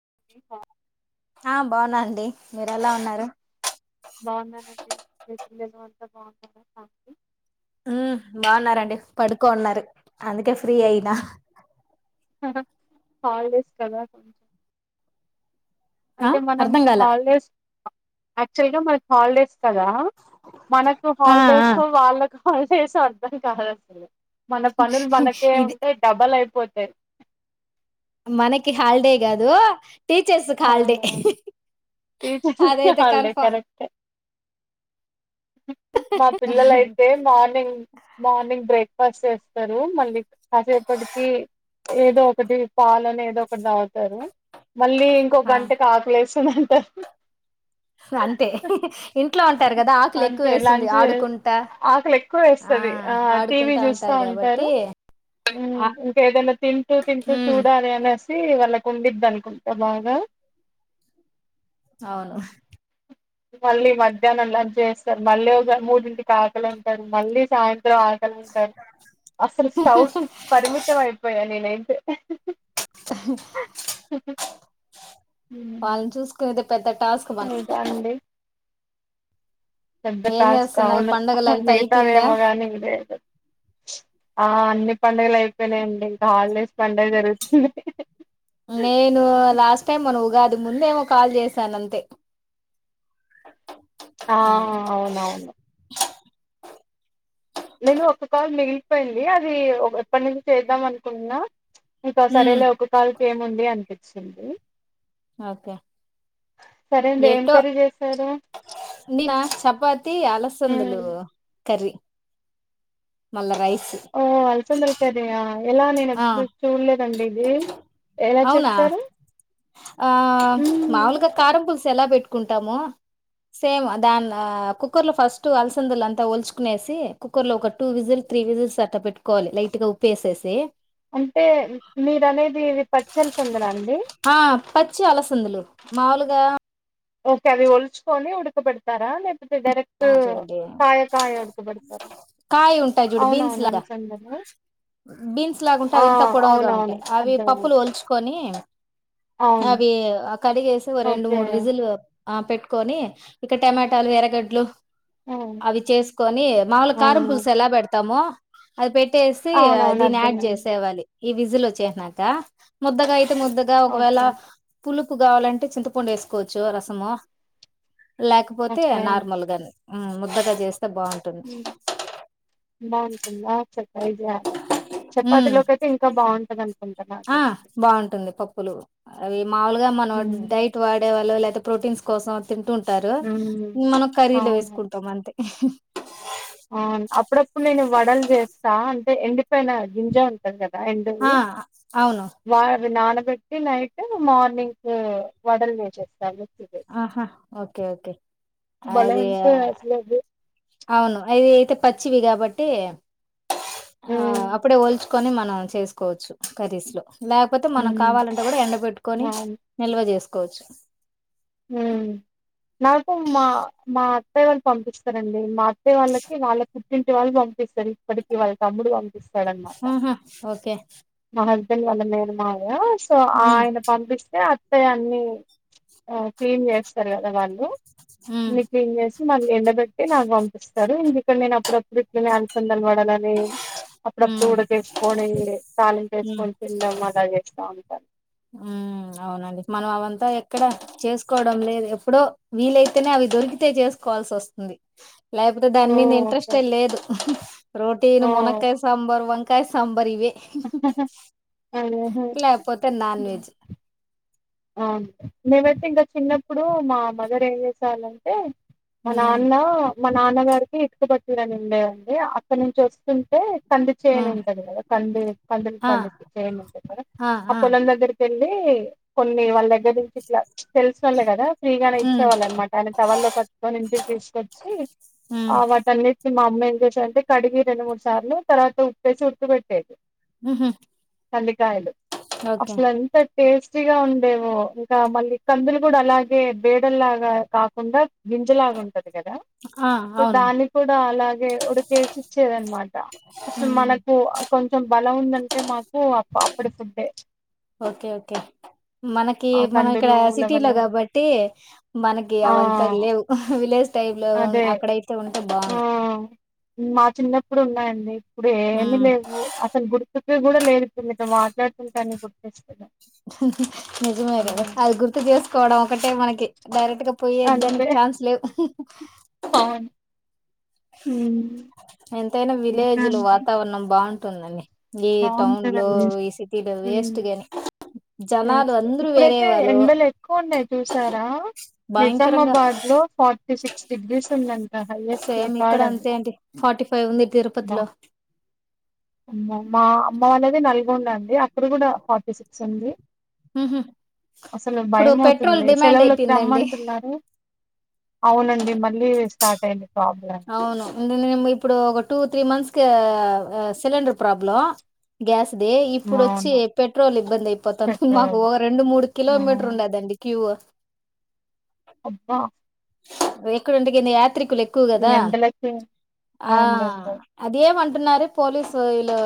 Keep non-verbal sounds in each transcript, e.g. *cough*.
*unintelligible* ఆ బాగున్నానండి మీరు ఎలా ఉన్నారు బాగున్నానండి మీ పిల్లలు అంతా బాగున్నారా అండీ ఉమ్మ్ బాగున్నారండి పడుకోఉన్నారు అందుకే ఫ్రీ అయినా హు హు హాలిడేస్ కదా కొం ఆ అంటే మనం అర్ధం ఈ కాల హాలిడేస్ యాక్చువల్ గా మనక్ హాలిడేస్ కదా మనకు ఆ ఆ హాలిడేస్ వాళ్ళ స అధానికి కాాలస్తు మన పనులు మనకే ఇది ఉంటే డబల్ అయిపోతు స మనకి హాల్డే గ అదు టీచర్స్ కాాలడే అవునవును. టీచర్స్‌కి అదేతే హాలిడే కన్ఫార్మ్ ఆ మా పిల్లలయితే మార్నింగ్ మార్నింగ్ బ్రేక్ఫాస్ట్ చేస్త ారు మళ్ళీ కాసేపటికి ఏదో ఒకటి పాాలని ఏదో ఒకటి తాగుతారు మళ్ళీ ఇంకొక ఆ గంటకి ఆకలేస్త సన్నాంత అంతే ఇంట్లో ఉంటారు కదా ఆకులు ఎక్కువ అంతే వేస్తుంది లంచ్ ఆడుకుంటా ఆకలి ఎక్కువ వేస్తుంది ఆ టీవ ఆడుకుంటా చూస్తా ఉంటారు కాబట్టి ఆ ఇంకేదైనా తింటూ తింటూ మ్మ్ చూడాలి అనే వ వాళ్ళ కు వంద్ద అనుకుంటా బాగా అవును మళ్ళీ మధ్యాహ్నం లంచ్ చేస్తారు మళ్ళీ ఒక మూడింటి కాకలు ఉంటారు మళ్ళీ సాయంత్రం ఆగలింటారు అసలు స్టౌ కి పరిమితం అయిపోయా నేను వాళ్ళని చూసుకునే పెద్ద టాస్క్ బ ఇంకా అండి పెబ్ద్ద టాస్క్ చేస్తున్నావు అవును పండుగలంతా నిగతా వయ అయిపోయిందా మగాని ఇది ఆ అన్ని పడుగలు అయిపోనాయండి ఇంకా హాలిడేస్ పడుగ జరుగుతుంది నేను లాస్ట్ టైం మన ఉగాది ముందేమో కాల్ చేసాను అంతే ఆ అవునవును నేను ఒక కాల్ మిగిలిపోయింది అది ఎప్పటి నుంచి చేద్దాం అనుకుంటున్నా ఇంకా సరేలే ఒక కాల్ క ఏముంది అనిపింది చ్చడి ఓకే అండి ఏం ఎటో కర్రీ చేశారు చపాతి అలసందలు కర్రీ మళ్ళ రైస్ ఓ అలసందల కర్రీయా ఎలా నేను ఆ ఎప్పుడు చూడలేదండి ఇది ఎలా అవునా చేస్తారు ఆ హ్మ్. మాముూలుగా కారంపులుస్ ఎలా పెట్టుకుంటాము సేమ్ దాని కుక్కర్ లో ఫస్ట్ అలసందులు అంతా వల్చుకునేసి కుక్కర్ లో ఒక టూ విజిల్ త్రీ విజిల్స్ అట్ట పెట్టుకోవాలి లైట్ గా ఉప్పేసేసి తే అంటే మీరు అనేది ఇది పచ్చి అలసందలా అండి మావులుగా ఓకే అవి ఒల్చుకొని ఉడకబెడతారా లేక ఆ చూడండి ఉడకబెడతారా? కాయ ఉంటాయి చూడు బీన్స్ అవునవును. లాగా, అలసందలు. బీన్స్ లాగా ఆ! ఉంటాయి ఇంకా పొడవుగా అవునవును. ఉంటాయి అవి పప్పులు అర్థమైంది. ఒల్చుకొని అవును. అవి ఆ కడిగేసి ఓ రెండు ఓకే. మూడు విజులు ఆ పెట్టుకొని ఇక టమాటాలు ఎరగడ్లు హ్మ్. అవి చేసుకొని మాముల్ కారం పులుసు అవునవును. ఎలా పెడతామొ అది పెట్ ట్టేసి అవునవును. దీని యాడ్ అర్థమైంది. చేసేవాలి ఈ విజుల్ వచ్చేసినాక ముద్దగా అయి ముద్దగా ఒకవేళ ఓకే. పులుపు కావాలంటే చింతపండు వేసుకోవచ్చు రసము లేకపోతే నార్మల్గాని హ్మ్ ముద్దగా చేస్ హుమ్ బాగుంటుందా చెప్రైస్ గ ట్రై చేయాలి ఉమ్ చపాతిలోకి అయితే ఇంకా బాగుంటది ఆ బాగుంటుంది పప్పులు అవి మావులుగా మనం హ్మ్. డైట్ వాడేవాళ్ళు లేతే ప్రోటీన్స్ కోసం తింటుంటారు హ్మ్. మనం కర్రీలో వేసుకుంటాం అంతే అవ్ను అప్పుడప్పుడు నేను వడలు చేస్తా అంటే ఎండి పైన గింజా ఉంటది గద్ ఐంటది ఆ అవును వాడ్ నాన పెట్టి నైట్ మార్నింగ్ వడలు చేసేస్తాము ఆహా ఒకే ఓకే ఓకే బలే అది ఉంటాయి అసలు అది అవును అది అయితే పచ్చివి కాబట్టి ఆ హ్మ్. అప్పుడు ఒల్చ కొని మనం చేసుకోవచ్చు కర్రీస్ లో లేగపోతే మనం హ్మ్. కావాలంటే కూడా ఎండ పెట్టుకని అవును. నిల్వ చేసు కోచ్ హ్మ్ నాకు మా మా అత్తయ్య వాళ్ళు పంపిస్తారండి మా అత్తేయ వాళ్ళకి వాళ్ళకు ఇంచి వాళ్ళు పంపిస్తారు ఇప్పటిక వాళ్ళ తమ్ముడు వాళ్ళు పిస్తాడన్నమాట ఆహా ఓకే మన నేను వాళ్ళ మేరు మాయా సో ఉమ్ ఆయన పంపిస్తే ఆ తె అన్నీ ఆ క్లీన్ చేస్తారు కదా వాళ్ళు ఉమ్ అన్ని క్లీన్ చేసి మళ్ళీ ఎండబెట్టి నాకు పంపిస్తారు ఇంగ ఇక్కడ నేను అప్పుడప్పుడు ఇట్లనే అలచందలు వడాలని అప్పుడప్పుడు ఉమ్ ఉడకేసుకొని తాలింపు వేసుకొని తినం అలా చేస్తాము మ్మ్ అవునండి మనం అవంత ఏ ఎక్కడ చేసుకోవడం డం లేదు ఎప్పుడో వీలైతేనే అవి దొరికితే చేసుకోవాల్సి వస్తుంది లేకపోతే దాని ఓ మీద ఓకే ఇంట్రెస్టే లేదు రోటీని ఓ మునక్కయ సాంబార్ వంకా కా సంబార్ ఇవే లేకపోతే *unintelligible* నాన్ వెజ్ అ మేమైతే ఇంకా చిన్నప్పుడు మా మదర్ ఏం చేసేవాల్లంటే మా నాన్న మా నాన్నగారికి ఇటుకబట్టిరని ఉండే అండి అక్కడి నుంచి వస్తుంటే కంది ఆ చేను ఉంటది కదా కంది కందులు ఆ పండి చేయని ఉంటంది కదా ఆ పొలం దగ్గరి పిండి కొన్ని వాళ్ళ దగ్గర నుంచి ఇట్లా ప్చ్ తెల్సినోలే కదా ద ఫ్రీగానే ఉమ్ ఇచ్చేవాల్ అన్మాట ఆయన టవలో కట్టుకొని ఇంటికి తీసుకొచ్చి ఉమ్ ఆ వాటన్నింట్ మా అమ్మా ఏం చేసేదంటే కడిగి రెండు మూడు సార్లు తర్వాత ఉప్పేసి ఉడ్కపెట్టేది. హ్మ్ హ్మ్ కందికాయలు అట్లాంత ఫేస్ ిగా ఉండేవో ఇంకా మళ్ళీ కందులు కూడా అలాగే బేడల్లాగా కాకుండా గింజలాగా ఉంటది కదా ఆ సో అవును దాన్ని కూడా అలాగే ఒకడికేసి ఇచ్చేది అనమాట అసలు ఉమ్ మనకు కొంచెం బలం ఉందంటే మాకు అప్పుడు ఫుడ్డే ఓకే ఓకే మనకి ఆ మనం ఇక్కడ కందులు, సిటీలో ఉలవలు కాబట్టి మనకి ఆ! అవంతా లేవు విలేజ్ టైబ్ లో అదే. అక్కడ అయితే ఉ ఆ! భాగం మా చిన్నప్పుడు ఉన్నాయండి ఇప్పుడు ఉమ్ ఎమ్మెల్యే అతను గుర్తు ఇ కూడా లేరుతుంది మాట్లాడతులు కానీ గుర్తిస్తుంది నిజమే కదా అది గుర్తు చేసుకోవడం ఒకటే మనకి డైరెక్ట్ గా కొ ఎద్దనికి చాన్స్ లేవు అవు హ ఎంతైనా విలేజ్లు వాతావరణం బాగుంటుంది పందండి బాగుంటదండిే వేస్ట్ గాని జనాలు అందరూ వేరే ఇప్పుడైతే వాళ్ళు ఎండలు ఎక్కువ ఉన్నాయి చూసారా భయంకరంగా నిజామాబాద్ లో ఫార్టీ సిక్స్ డిగ్రీస్ ఉందండి సేమ్ ఇక్కడ అంతేంటి ఫార్టీ ఫైవ్ ఉంది బా తిరుపతిలో అమ్మ మా అమ్మ అనేది నల్గొండ అండి అక్కడ కూడా ఫార్టీ సిక్స్ ఉంది అసలు ఇప్పుడు భయం పెట్రోల్ అవుతుంది డిమాండ్ సెలవులకి అయిపోయిందండి రమ్మంటున్నారు అవునండి మళ్ళీ స్టార్ట్ అయింది ప్రాబ్లం అవును ఎందుేే ఇప్పుడు ఒక two three months cinder problem గస్ దే ఇప్పుడు వచ్చి అవును పెట్రోల్ ఇబ్బంది అయిపోతుంది మాకు పెట్రోల్ ఒక రెండు మూడు ఆ! కిలోమీటర్ ఉండదండి క్యూ అబ్బా ఎక్కడంటడికిందియా ఎక్కువ ఈ కదా ఎండలకి ఆ అదే మంట అంటు పోలీసు వీళ్ళు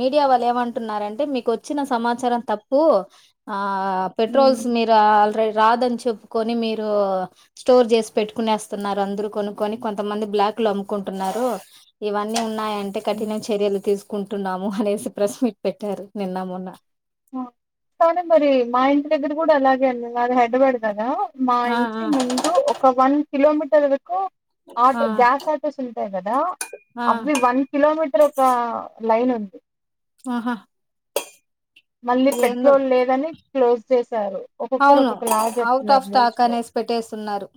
మీడియా వాళ్ళు ఏమంటున్నారంటే మీకు వచ్చిన సమాచారం తప్పు ఆ పెట్రోల్స్ అవునులేండి మీరు ఆల్రెడీ రాదని చెప్పుకొని మీరు స్టోర్ చేసి పెట్టుకునేస్తున్నారు అందరుూ కొనుక్కొని కొంతమంది బ్లాక్ లు అమ్ముకుంటున్నారు ఇవన్నీ న్నాయంటే కఠినం చర్యలు తీసుకు కుంటున్నాము అనేసి ప్రశ్నట్ పెట్టారు నిన్న మొన్న కానీ మరి మా ఇంటి దగ్గర కూడా అలాగే అ అది హెడ్బడదా మా ఆ ఆ ఇంచి ముందు ఒక వన్ కిలోోమీటర్ ఆ ఆటో గ్యాస్ ఆటోస్ ఉంటాయి కదా ఆ అవి వన్ కిలోమీటర్ ఒక లైన్ ఉంది ఆహా మళ్ళీ ఏందో పెట్రోల్ లేదని క్లోజ్ చేశారు ఒక్కొక్కరు అవును ఒక్కొక్క లా అవుట్ చెప్తునారు ఆఫ్ న్యూస్ స్టాక్ లో అనేసి పెట్టేస్తున్నారు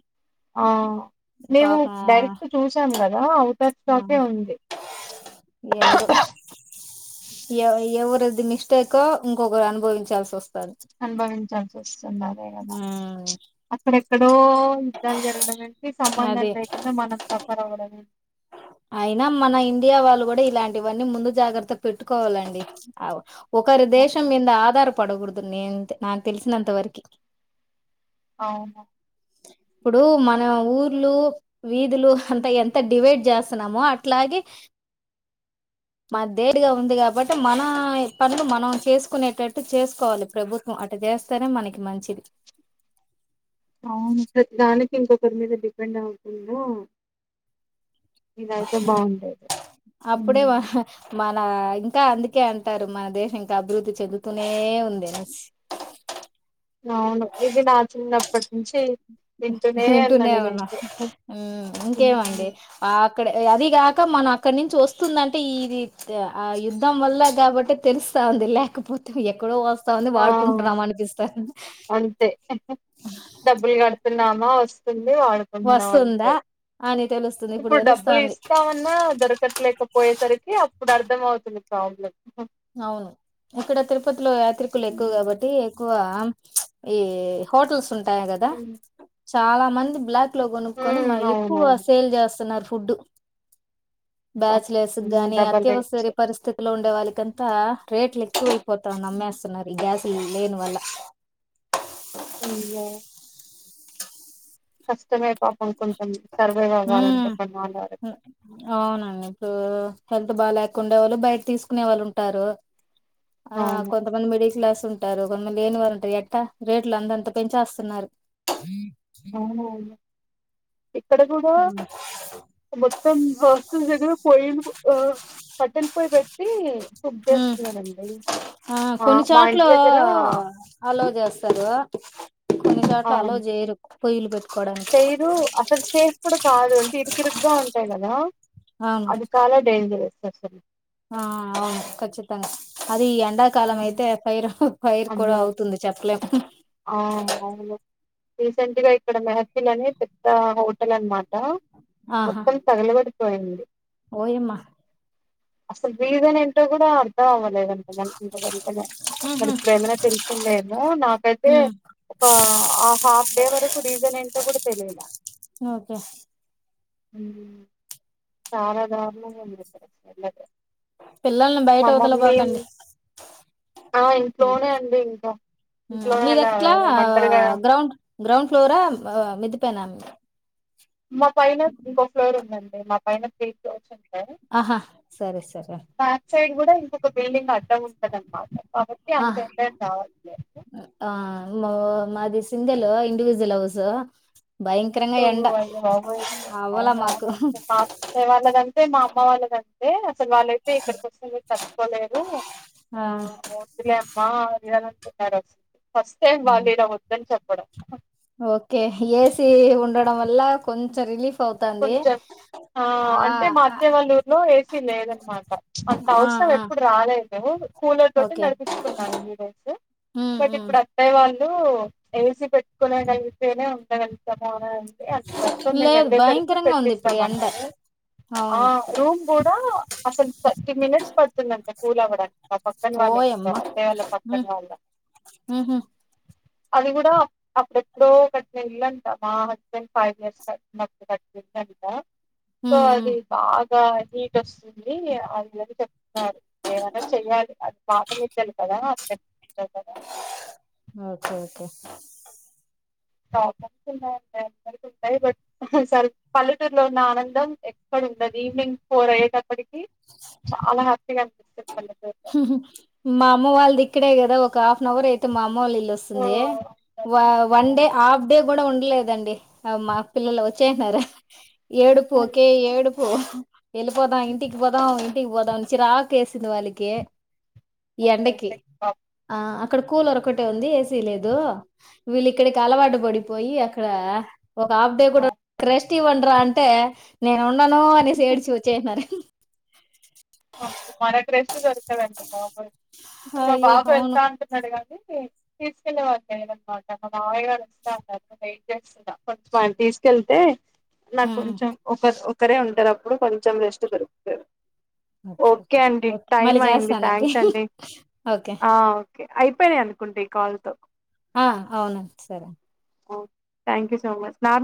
ఆ మేము పాపం డైరెక్ట్ చూసాం కదా ఔట్ ఆఫ్ ఆ స్టాకే ఉంది ఎందో ఎ *unintelligible* ఇంకొకరు అనుభవించాల్సి వస్ అనుభవించాల్సి వస్ అదే కదా ఉమ్ అక్కడెక్కడో యుద్ధాలు జరగడం ఏంటి సంబంధం అదే లేకుండా మనం సఫర్ అవ్వడం ఎ అయినా మన ఇండియా వాళ్ళు గుడా ఇలాంటివన్నీ ముందు జాగ్రత్త పెట్టుకోవాలండి ఒకరి ఏంటి దేశం మింద ఆధార్ పడకూడదు నే నాకు తెలిసిన అంత వరికి అవును ఇప్పుడు మన ఊర్లు వీధులు అంత ఎంత డివైడ్ చేస్ ము అట్లాగే మా దేడిగా ఉంది కాబట్టి మన పనులు మనం చేసుకునేటట్టు చేసుకోవాలి ప్రభుత్వం అటు చేస్తేనే మనకి మంచిది అవును ప్రతి దానికి ఇంకొకరి మీద డిపెండ్ అవుకుండా ఇదయితే బాగుండేది అప్పుడే మ మన ఇంకా అందుకే అంటారు మన దేశం ఇంకా అభివృద్ధి చెదువుతూనే ఉంది అ అవును ఇది నా చిన్నప్ప వింటునేవునాం నేనైతే ఇంకేమండి హ్మ్. ఆ అక్కడ అది కాక మనం అక్కడ నుంచి వస్తుందంటే ఇది ఆ యుద్ధం వల్ల కాబట్టి తెలుస్తాంది లేకపోతే ఎక్కడో వస్ వస్తా ఉంది ఆ వాడుకుంటున్నాం అనిపిస్తా అంతే డబ్బులు గ నాము వస్తుంది వాడుకుంటున్నాం అంతే వస్తుందా అని తెలుస్తుంది ఇప్పుడు డబ్బులు తెలుస్తాంది ఇస్తామన్నా దొరకట్లేకపోయేసరికి అప్పుడు అర్థం అవుతు ది ప్రాబ్లం అవును ఇక్కడ తిరుపతిలో యాత్రికులు ఎక్కువ ఉమ్ కాబట్టి ఎక్కువ చ్ ఈ హోటల్స్ ఉం టాయి కదా చాల మంది బ్లాక్ లో కొనుకొని ఎక్కువ అవునవును సేల్ చేస్తున్నారు. ఫుడ్ అబ్బా బ్యాచలర్స్ హ్మ్. గాని డబల్ రేట్స్ అత్యవసర పరిస్థితిలో ఉ వాలికన్ ఇంత రేట్ లు ఎక్కువై నమ్మేస్తున్నారు ఇ గ్యాస్ లేని వల్ల అయ్యో కష్టమే పాపం కొంటాం సర్వే అవ్వాలంటే ఉమ్ కొన్నాళ్ళు ఉమ్, ఆగాలి అవునండి ఇప్పుడు హెల్త్ బా లేకుండే వాళ్ళు బయట తీసుకునే వాళ్ళు ఉంటారు. ఆ అవును కొంతమంది మిడిల్ క్లాస్ ఉంటారు కొంతమంది లేనివారు ఉంటారు ఎట్ట. రేట్లు అందంత పెంచస్తున్నారు. అవునునవును ఇక్కడ కూడా ఉమ్ మొత్తం హాస్టల్ దగ్గర పోయ్యలు ఆ కట్టెలు పోయ్యి పెట్టు తే కుక్ ఉమ్. చేస్తున్నానండి. ఆ కొన్ని మా చోట్ల ఇంటి దగ్గర అలో చేస్తారు కొన్ని ఆ చోట్లు అలో చేయరు పొయిలు పెట్ చైరు అసక్సే ఇప్పుడు కాదు అంటే ఇరుకిరుగ్గా ఉంటాయి కదా. అవును అది చాలా డేంజరస్. సరి సరే ఆ అవును ఖచ్చితంగా అది అ ఎండాకాలం హ్మ్. అయితే ఫైరు హ హు ఫైర్ కూడా అమ్మో అవుతుంది. చె లెం ఆ అవును రీసెంట్ గా ఇక్కడ మెహఫల్ అనే పెద్ద హోటల్ అనమాట. ఆహా మొత్తం తగలబడి పోయింది ఓయమ్మా అసలు రీజన్ ఏంటో కూడా అర్థం అవ్వట్లే లేదంట ఇంక వెళ్కనే ఉహు మనకి ప్రేమనే తెలిసిందేమో నాకైతే ఉ అ ఒక హాఫ్ డే వరకు రీజన్ ఏంటో కూడా తెలిద ఓకే చారాధారుణ ఉ ఎ పిల్లల్ని బయట మా మమ్మీ వదలబాకండి ఆ ఇంట్లోనే అండి ఇంకా మీ అలా దగ్ట్లా ఏమంటారు కదా గ్రౌండ్ గ్రౌండ్ ఫ్లోరా మెదిపోనా అ మా పైన ఇంకో ఫ్లోర్ ఉందండి మా పైన త్రీ ఫ్లోర్స్ ఉ ఆహా సరే సరే బ్యాక్ సైడ్ కూడా ఇంక ఒక బిల్డింగ్ంది ఉంటదన్నమాట కాబట్టి ఆ అంత ఏంటం రావట్లేదు ఆ మాది సింగల్ ఇండివిజువల్ హౌస్ భయంకరంగా ఎండ బబ అవ్వలా మాకు అవునవును మా వాళ్ళదంటే మా అమ్మ వాళ్ళదంటే అసలు వాళ్ళైతే ఇక్కడికి వస్తే పలేరు ఆ వద్దులే మా ఇారు వస్తుంది ఫస్ట్ టైమ్ బ వాాలిరా మం చప్ప పడ ఓకే ఏసి ఉండడం వల్ల కొంచెం రిలీఫ్ అవుతాంది కొంచెం ఆ అంటే మా అత్తేవాల్లూరులో ఏసీ లేదనమాట అంత ఆ అవసరం ఆ ఎప్పుడు రాలేదు కూలర్ తోటి ఓకే నడిపించుకున్నాను మీడస్ ఉమ్ బట్ ఉమ్ ఇప్పుడు అత్తయ వాళ్ళు ఏసీ పెట్టుకునే అయితేనే ఉండగతాము అని అ అ సో మేము లేదు వెందే సరి భయంకరంగా ఉంది ఇప్పుడు ఎండ ట్టిస్తాన్నారు ఆ అవును రూమ్ కూడా అస ర్టీ మినిట్స్ పడుతుంది పూలవ పక్కన వాే ఓయమ్మా అప్పే వా పక్క ఉమ్ వాా ఉహు అది కూడా అప్పుడెప్పుడో కట్టిన ఇల్లంట మా హస్బెండ్ ఫైవ్ ఇయర్స్ కట్టిప్పుడు ఎసాలత ఉమ్ ఉమ్ సరే బా ఇ హీట్ వస్తుంది అ చెప్తున్నారు ఏమైనా చెయ్యాలి అది పాటలుద్దాల కదా చెద ఓకే ఓకే ప్రాబ్లమ్స్ ఉన్నాయ్ అక్కాయ్ *inaudible* పల్లెటూరులో ఉన్న ఆనందం ఎక్కడ ఉండది ఈవినింగ్ ఫోర్ అయ్యేటప్పటికి చాలా హ్యాపీగా అనిపిస్తది పల్లెటూరులో. మా అమ్మా వాల్దీ ఇక్కడే గ ఒక హాఫ్న్ అవర్ అయితే మా అమ్మోల్ ఇల్ సో, ఇల్లోస్తుంది అందుకనే వావ్ వన్ డే ఆఫ్డే కూడా ఉండలేదండి మా పిల్లలు వచ్చేస్త్నార్ ఏడుపు ఓకే ఏడుప్ ఓ వెళ్ళిపోదాం ఇంటిక్ రా ఇంటికి పోదాం చిరాకేసింది వాళ్ళకి ఈ అదే ఎండకి ఆ ఇక్కడ కూలర్ ఒకటే ఉంది. ఏసీలేదు, వీళ్ళ ఇక్కడికి అలవాటు పడిపోయి అక్కడ ఒక హాఫ్ డే కూడా ప్రాబ్లమ్. రెస్ట్ ఇవ్వండరా అం టే నే నేన్ ఉండను అనేసి ఏడ్చి వచ్చేస్నారు *unintelligible* మనకి రెస్ట్ దొరకదండి బాబోయ్. ఇప్పుడు మా అయ్యో బాబు అవును ఎల్తా అంటునాడ్ కద కాని తీసుకెళ్ళే వాళ్ళు లేరన్నమాట మా మామయ్య గారు వస్తా అన్నారు. వెయిట్ చేస్తున్న కొంచెం ఆయన తీసుకెళ్తే నాకు ఉమ్. కొంచెం ఒక ఒ క్కరే ఉంటరు అప్పుడు కొంచెం రెస్ట్ దొరుక్తారు ఓకే ఓకే ఓకే మళ్ళీ చేస్తానండి థ్యాంక్స్ ఓకే అయిపోయినాయ్ అనుకుంటా ఈ కాల్ తో ఆ అవును సరే ఓ థ్యాంక్యూ సో మచ్ నాక్